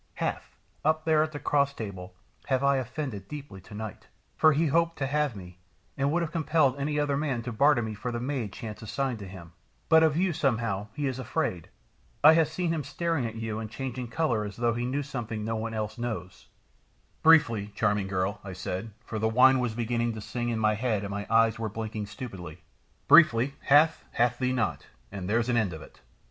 Hath, up there at the cross table, have I offended deeply tonight, for he hoped to have me, and would have compelled any other man to barter me for the maid chance assigned to him; but of you, somehow, he is afraid I have seen him staring at you, and changing colour as though he knew something no one else knows " "Briefly, charming girl," I said, for the wine was beginning to sing in my head, and my eyes were blinking stupidly "briefly, Hath hath thee not, and there's an end of it.